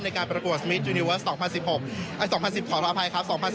ในการประกวดมิตซ์ยูนิเวิร์สขออภัยครับ